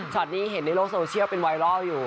นี้เห็นในโลกโซเชียลเป็นไวรัลอยู่